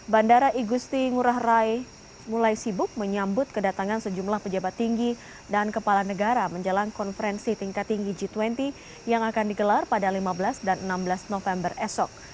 bandara igusti ngurah rai mulai sibuk menyambut kedatangan sejumlah pejabat tinggi dan kepala negara menjelang konferensi tingkat tinggi g dua puluh yang akan digelar pada lima belas dan enam belas november esok